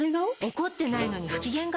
怒ってないのに不機嫌顔？